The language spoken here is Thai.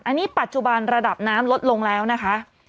อันนี้ปัจจุบันระดับน้ำลดลงแล้วนะคะ